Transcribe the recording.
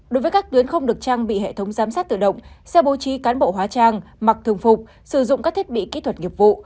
đối với các tuyến không được trang bị hệ thống giám sát tự động xe bố trí cán bộ hóa trang mặc thường phục sử dụng các thiết bị kỹ thuật nghiệp vụ